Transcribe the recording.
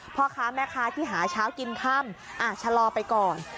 พ่อค้าแม่ค้าที่หาเช้ากินค่ำชะลอไปก่อน